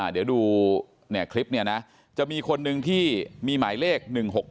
เดี๋ยวดูคลิปนี้นะจะมีคนนึงที่มีหมายเลข๑๖๖